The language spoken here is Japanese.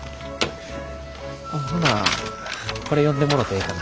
ほなこれ読んでもろてええかな？